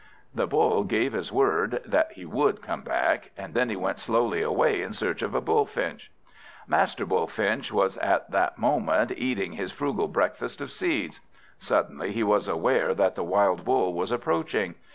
The Bull gave his word that he would come back, and then went slowly away in search of the Bullfinch. Master Bullfinch was at the moment eating his frugal breakfast of seeds. Suddenly he was aware that the wild Bull was approaching.